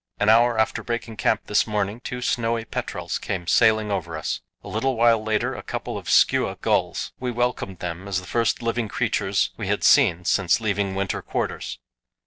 An hour after breaking camp this morning two snowy petrels came sailing over us; a little while later a couple of skua gulls. We welcomed them as the first living creatures we had seen since leaving winter quarters.